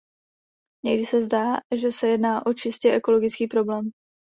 Někdy se zdá, že se jedná o čistě ekologický problém.